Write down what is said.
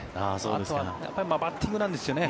あとはバッティングなんですよね